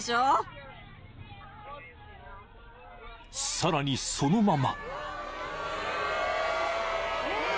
［さらにそのまま］